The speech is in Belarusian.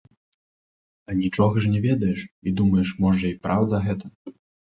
А нічога ж не ведаеш, і думаеш можа і праўда гэта.